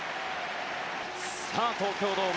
さあ、東京ドーム